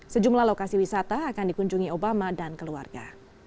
sejumlah lokasi wisata akan dikunjungi obama dan keluarga